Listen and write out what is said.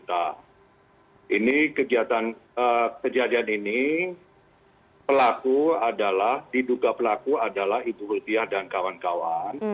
nah ini kejadian ini pelaku adalah diduga pelaku adalah ibu rutya dan kawan kawan